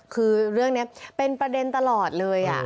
คือเรื่องนี้เป็นประเด็นตลอดเลย